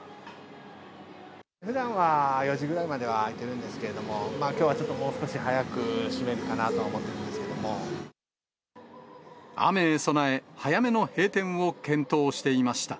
ふだんは４時ぐらいまでは開いてるんですけれども、きょうはちょっともう少し早く閉めるかなと思ってるんですけれど雨へ備え、早めの閉店を検討していました。